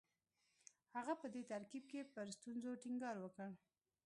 هغه په دې ترکیب کې پر ستونزو ټینګار وکړ